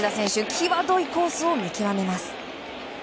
きわどいコースを見極めます。